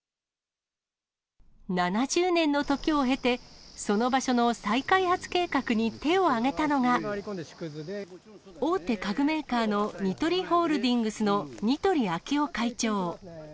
７０年の時を経て、その場所の再開発計画に手を挙げたのが、大手家具メーカーのニトリホールディングスの似鳥昭雄会長。